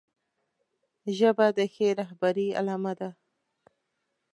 ژبه د ښې رهبرۍ علامه ده